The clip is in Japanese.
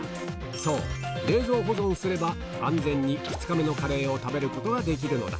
そう、冷蔵保存すれば、安全に２日目のカレーを食べることができるのだ。